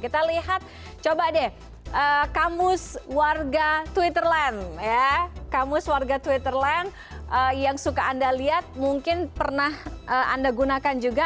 kita lihat coba deh kamus warga twitterland ya kamus warga twitterland yang suka anda lihat mungkin pernah anda gunakan juga